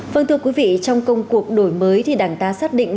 vâng thưa quý vị trong công cuộc đổi mới thì đảng ta xác định